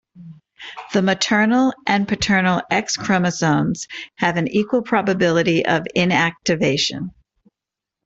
The maternal and paternal X chromosomes have an equal probability of inactivation.